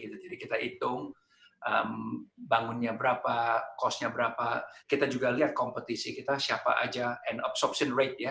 jadi kita hitung bangunnya berapa cost nya berapa kita juga lihat kompetisi kita siapa aja and absorption rate ya